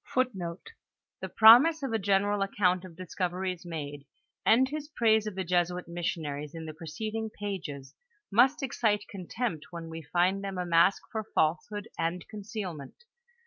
* hi . ■^^i^:m * The promise of a general account of discoyerics made, and his praise of the Jesuit missionaries in the preceding pages, must excite contempt when we find them a mask for falsehood and concealment.